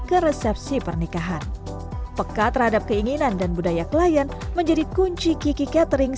ke resepsi pernikahan peka terhadap keinginan dan budaya klien menjadi kunci kiki catering